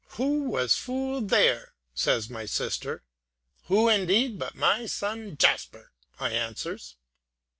'Who was fool there?' says my sister. 'Who indeed but my son Jasper,' I answers.